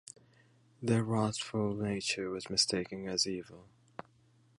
Their wrathful nature was mistaken as evil.